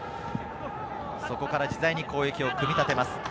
そこから自在に攻撃を組み立てます。